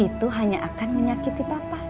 itu hanya akan menyakiti bapak